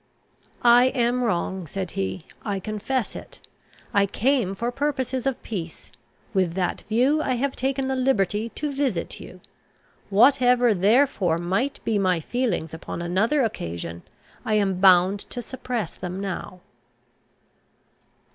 "I am wrong," said he. "I confess it. I came for purposes of peace. With that view I have taken the liberty to visit you. Whatever therefore might be my feelings upon another occasion, I am bound to suppress them now."